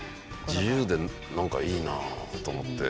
自由で何かいいなと思って。